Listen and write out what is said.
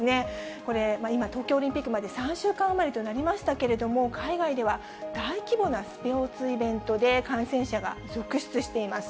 これ、今、東京オリンピックまで３週間余りとなりましたけれども、海外では大規模なスポーツイベントで感染者が続出しています。